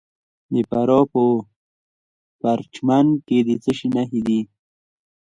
د فراه په پرچمن کې د څه شي نښې دي؟